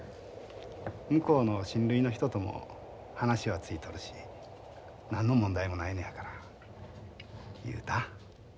向こうの親類の人とも話はついとるし何の問題もないのやから雄太。